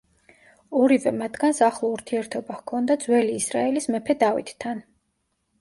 ორივე მათგანს ახლო ურთიერთობა ჰქონდა ძველი ისრაელის მეფე დავითთან.